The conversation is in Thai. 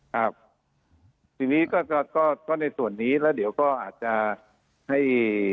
ครับทีนี้ก็ก็ในส่วนนี้แล้วเดี๋ยวก็อาจจะให้